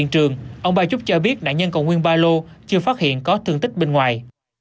trường ông ba trúc cho biết nạn nhân còn nguyên ba lô chưa phát hiện có thương tích bên ngoài